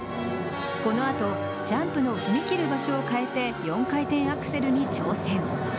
この後ジャンプの踏み切る場所を変えて４回転アクセルに挑戦。